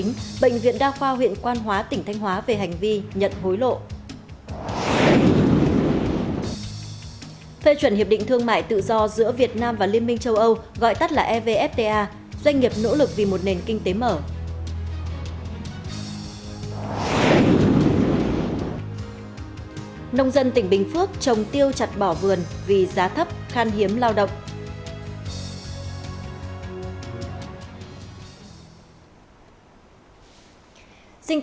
nông dân tỉnh bình phước trồng tiêu chặt bỏ vườn vì giá thấp khan hiếm lao động